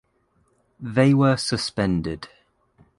They were suspended.